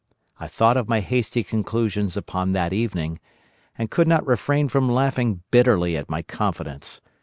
I thought of my hasty conclusions upon that evening and could not refrain from laughing bitterly at my confidence.